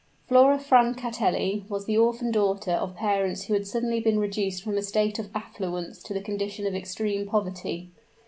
Flora Francatelli was the orphan daughter of parents who had suddenly been reduced from a state of affluence to a condition of extreme poverty.